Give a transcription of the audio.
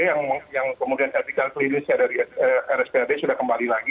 yang kemudian artikel klinisnya dari rskd sudah kembali lagi